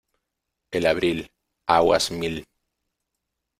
El abril, aguas mil